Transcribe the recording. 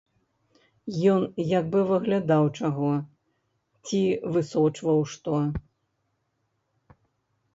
Ён як бы выглядаў чаго ці высочваў што.